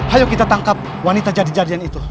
ayo kita tangkap wanita jadi jadian itu